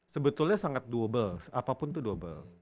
sebetulnya sangat doable apapun itu double